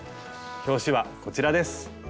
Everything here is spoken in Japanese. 表紙はこちらです。